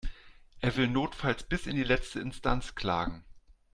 Er will notfalls bis in die letzte Instanz klagen.